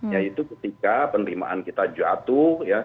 yaitu ketika penerimaan kita jatuh